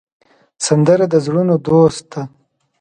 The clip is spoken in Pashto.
سندره د زړونو دوست ده